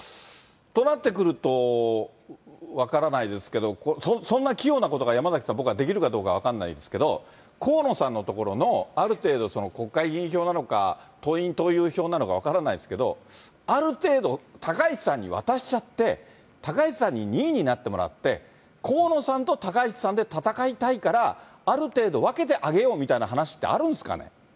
となってくると、分からないですけど、そんな器用なことが山崎さん、僕はできるかどうか分かんないですけど、河野さんのところのある程度国会議員票なのか、党員・党友票なのか分からないですけど、ある程度、高市さんに渡しちゃって、高市さんに２位になってもらって、河野さんと高市さんで戦いたいから、ある程度、分けてあげようみたいな話ってあるんですかね？